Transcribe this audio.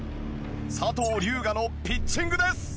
佐藤龍我のピッチングです。